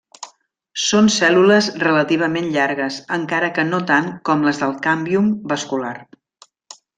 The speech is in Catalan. Són cèl·lules relativament llargues, encara que no tant com les del càmbium vascular.